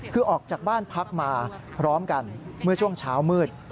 คือออกจากบ้านพักมาพร้อมกันเมื่อช่วงเช้ามืด